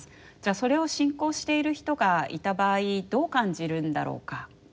それを信仰している人がいた場合どう感じるんだろうかとかですね